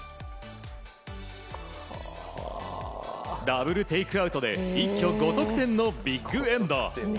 ダブルテイクアウトで一挙５得点のビッグエンド。